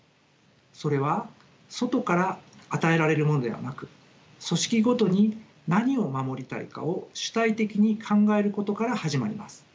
それは外から与えられるものではなく組織ごとに何を守りたいかを主体的に考えることから始まります。